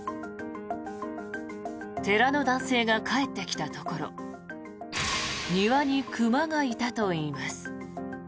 寺の男性が帰ってきたところ庭に熊がいたといいます。